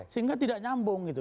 sehingga tidak nyambung gitu